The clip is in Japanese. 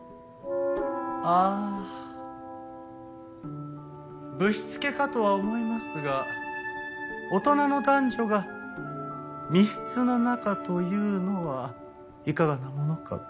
ああぶしつけかとは思いますが大人の男女が密室の中というのはいかがなものかと。